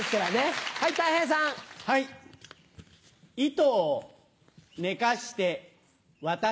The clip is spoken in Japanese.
「糸」を寝かして私。